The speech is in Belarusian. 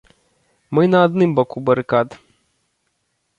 Мы на адным баку барыкад.